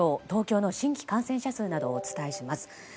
東京の新規感染者数などをお伝えします。